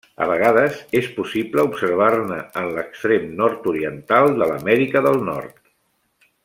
A vegades és possible observar-ne en l'extrem nord-oriental de l'Amèrica del Nord.